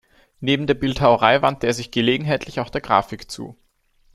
Neben der Bildhauerei wandte er sich gelegentlich auch der Grafik zu.